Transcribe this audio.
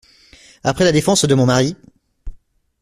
Après la défense de mon mari !…